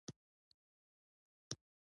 یو عقاب یې خپلې بسته کې